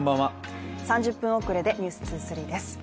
３０分遅れで「ＮＥＷＳ２３」です。